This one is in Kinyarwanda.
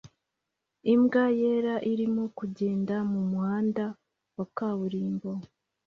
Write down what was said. Imbwa yera irimo kugenda mumuhanda wa kaburimbo